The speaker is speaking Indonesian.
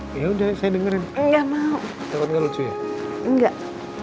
dia bakal selagat